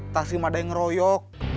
tak sih ada yang ngeroyok